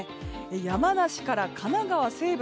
山梨から神奈川西部